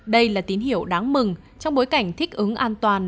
đây là tín hiệu đáng mừng trong bối cảnh thích ứng an toàn